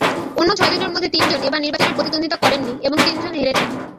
অন্য ছয়জনের মধ্যে তিনজন এবার নির্বাচনে প্রতিদ্বন্দ্বিতা করেননি এবং তিনজন হেরেছেন।